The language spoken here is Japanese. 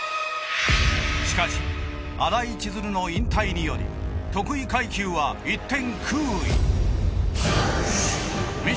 しかし新井千鶴の引退により得意階級は一転空位に。